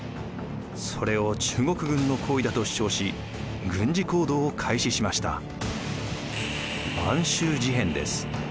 それを中国軍の行為だと主張し軍事行動を開始しました。